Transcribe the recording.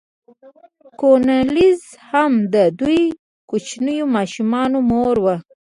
کولینز هم د دوو کوچنیو ماشومانو مور وه.